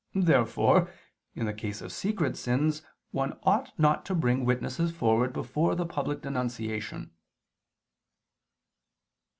Therefore in the case of secret sins one ought not to bring witnesses forward before the public denunciation.